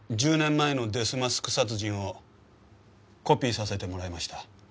１０年前のデスマスク殺人をコピーさせてもらいました。